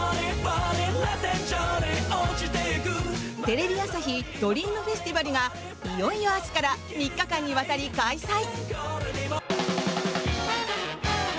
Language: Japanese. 「テレビ朝日ドリームフェスティバル」がいよいよ明日から３日間にわたり開催。